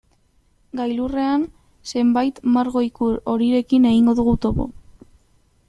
Gailurrean zenbait margo-ikur horirekin egingo dugu topo.